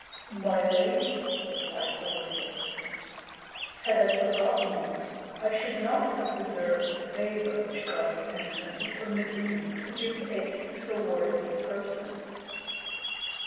"My lady," replied Volodyovski, "had I forgotten you I should not have deserved the favor which God sent when he permitted me to give aid to so worthy a person."